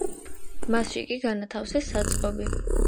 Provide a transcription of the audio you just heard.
მასში კი განათავსეს საწყობი.